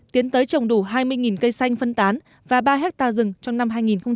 tiến tới trồng đủ hai mươi cây xanh phân tán và ba hectare rừng trong năm hai nghìn hai mươi